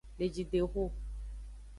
Lejidexo.